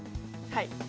はい。